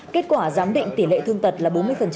kết quả giám định tỷ lệ thương tật là bốn mươi